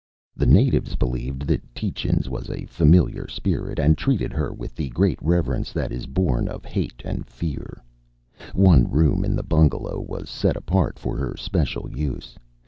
The natives believed that Tietjens was a familiar spirit, and treated her with the great reverence that is born of hate and fear One room in the bungalow was set apart for her special use.